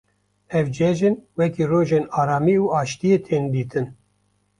Ev ceijn weke rojên aramî û aşîtiyê tên dîtin.